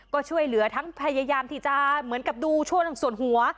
ก็ช่วยเหลือทั้งพยายามที่จะเหมือนกับดูช่วงส่วนหัว